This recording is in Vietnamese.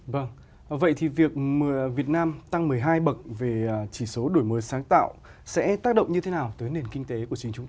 vâng vậy thì việc việt nam tăng một mươi hai bậc về chỉ số đổi mới sáng tạo sẽ tác động như thế nào tới nền kinh tế của chúng ta